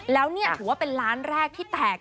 แล้วนี่ถือว่าเป็นล้านแรกที่แตก